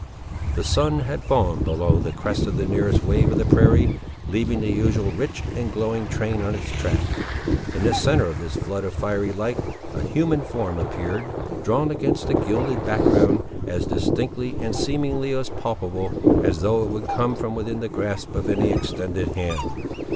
The sun had fallen below the crest of the nearest wave of the prairie, leaving the usual rich and glowing train on its track. In the centre of this flood of fiery light, a human form appeared, drawn against the gilded background, as distinctly, and seemingly as palpable, as though it would come within the grasp of any extended hand.